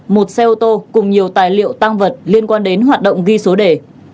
một xe ô tô cùng nhiều tài liệu tăng vật liên quan đến hoạt động ghi số đề